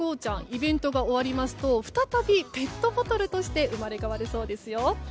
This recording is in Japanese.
イベントが終わりますと再びペットボトルとして生まれ変わるそうですよ。